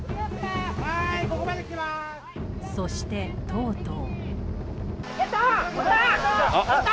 そして、とうとう。